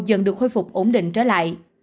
dần được khôi phục ổn định trở lại